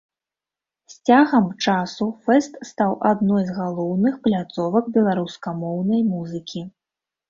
З цягам часу фэст стаў адной з галоўных пляцовак беларускамоўнай музыкі.